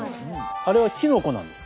あれはきのこなんです。